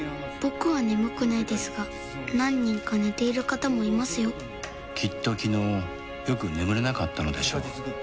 僕は眠くないですが何人か寝ている方もいますよきっと昨日よく眠れなかったのでしょう